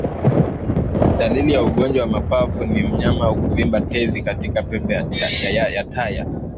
Dalili ya ugonjwa wa mapafu ni mnyama kuvimba tezi katika pembe ya taya